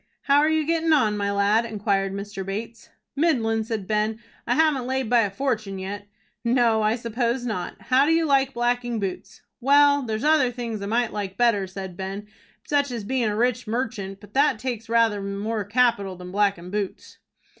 "How are you getting on, my lad?" inquired Mr. Bates. "Middlin'," said Ben. "I haven't laid by a fortun' yet." "No, I suppose not. How do you like blacking boots?" "Well, there's other things I might like better," said Ben, "such as bein' a rich merchant; but that takes rather more capital than blackin' boots."